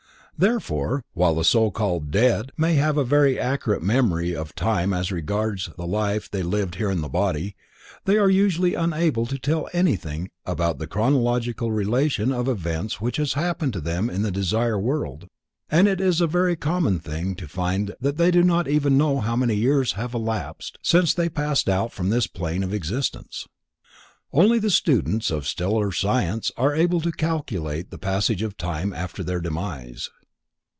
Therefore, while the so called "dead" may have a very accurate memory of time as regards the life they lived here in the body, they are usually unable to tell anything about the chronological relation of events which have happened to them in the Desire World, and it is a very common thing to find that they do not even know how many years have elapsed since they passed out from this plane of existence. Only students of the Stellar Science are able to calculate the passage of time after their demise.